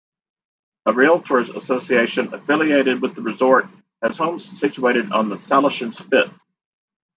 A realtor's association affiliated with the resort has homes situated on the Salishan Spit.